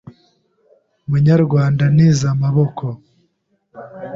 Munyarwanda ntiza amaboko